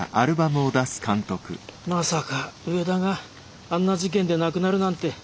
まさか上田があんな事件で亡くなるなんて。